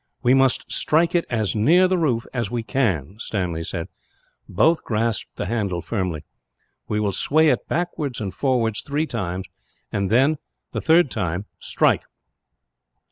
"We must strike it as near the roof as we can," Stanley said. Both grasped the handle firmly. "We will sway it backwards and forwards three times and, the third time, strike.